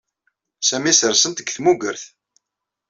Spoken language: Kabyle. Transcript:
Sami ssersen-t deg tmugert.